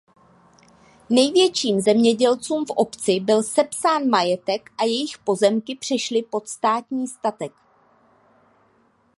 Největším zemědělcům v obci byl sepsán majetek a jejich pozemky přešly pod státní statek.